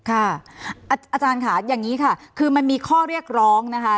อาจารย์ค่ะอย่างนี้ค่ะคือมันมีข้อเรียกร้องนะคะ